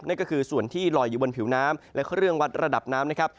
นั่นก็คือส่วนที่ลอยอยู่บนผิวน้ำและเครื่องวัดระดับน้ำนะครับ